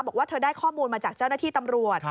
บอกว่าเธอได้ข้อมูลมาจากเจ้าหน้าที่ตำรวจ